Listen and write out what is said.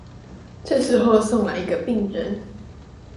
這個時候送來一個病人